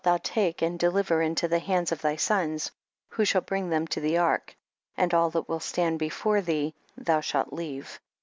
thou take and deliver into the hands of thy sons, who shall bring them to the ark, and all that will stand before thee thou shalt leave.